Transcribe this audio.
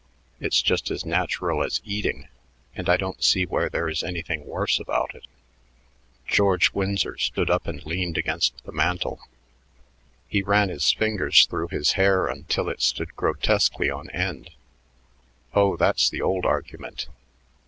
It's just as natural as eating, and I don't see where there is anything worse about it." George Winsor stood up and leaned against the mantel. He ran his fingers through his hair until it stood grotesquely on end. "Oh, that's the old argument.